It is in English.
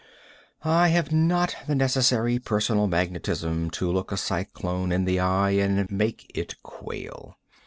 I have not the necessary personal magnetism to look a cyclone in the eye and make it quail.